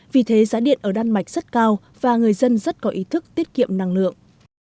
vì thế giá điện ở đan mạch rất cao và người dân rất có ý thức tiết kiệm năng lượng